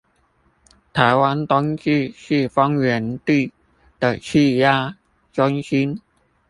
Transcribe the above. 台灣冬季季風源地的氣壓中心